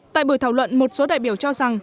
tại buổi thảo luận một số đại biểu cho rằng